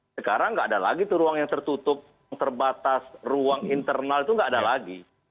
sekarang nggak ada lagi tuh ruang yang tertutup terbatas ruang internal itu nggak ada lagi